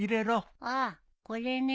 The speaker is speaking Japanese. ああこれね。